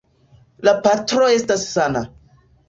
La patro estas sana.